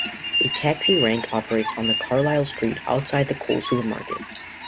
A taxi rank operates on Carlisle Street, outside the Coles Supermarket.